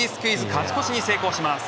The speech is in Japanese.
勝ち越しに成功します。